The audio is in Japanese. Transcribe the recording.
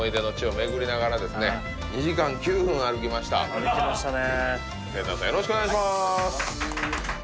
歩きましたね